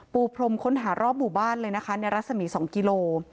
ปูพรมค้นหารอบหมู่บ้านเลยนะคะในรัศมี๒กิโล